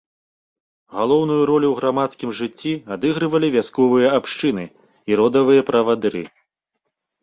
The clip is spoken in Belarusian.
Галоўную ролю ў грамадскім жыцці адыгрывалі вясковыя абшчыны і родавыя правадыры.